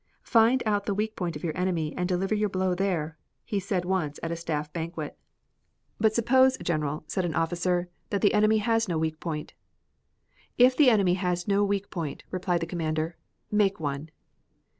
"Find out the weak point of your enemy and deliver your blow there," he said once at a staff banquet. "But suppose, General," said an officer, "that the enemy has no weak point?" "If the enemy has no weak point," replied the Commander, "make one."